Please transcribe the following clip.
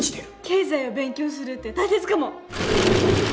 経済を勉強するって大切かも。